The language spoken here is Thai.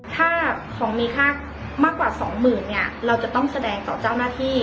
ถ้าของมีค่ามากกว่า๒๐๐๐๐บาทเราจะต้องแสดงต่อเจ้าหน้าที่